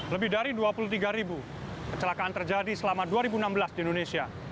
lebih dari dua puluh tiga ribu kecelakaan terjadi selama dua ribu enam belas di indonesia